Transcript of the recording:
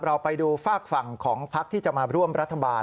เราไปดูฝากฝั่งของพักที่จะมาร่วมรัฐบาล